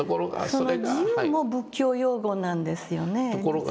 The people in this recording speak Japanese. その自由も仏教用語なんですよね実は。